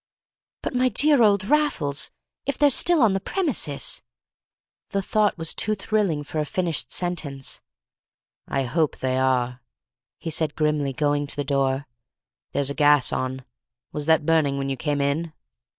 "But, my dear old Raffles, if they're still on the premises—" The thought was too thrilling for a finished sentence. "I hope they are," he said grimly, going to the door. "There's a gas on! Was that burning when you came in?"